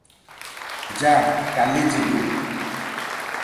ଯା – କାଲି ଯିବୁ।